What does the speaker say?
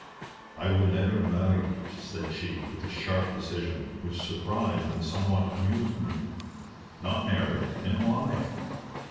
"I will never marry," said she, with a sharp decision, which surprised and somewhat amused me. "Not marry and why?"